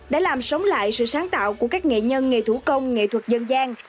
đã làm sống lại sự sáng tạo của các nghệ nhân nghề thủ công nghệ thuật dân gian